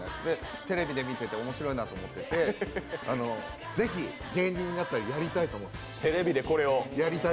テレビで見てて面白いなと思っててぜひ芸人になったらやりたいと思って。